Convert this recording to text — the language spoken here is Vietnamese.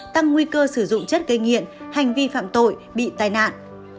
tăng nguy cơ sử dụng chất gây nghiện hành vi phạm tội bị tai nạn